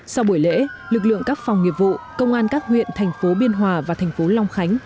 sau buổi lễ lực lượng các phòng nghiệp vụ công an các huyện thành phố biên hòa và thành phố long khánh